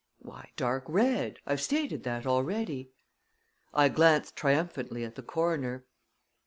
"Why, dark red. I've stated that already." I glanced triumphantly at the coroner.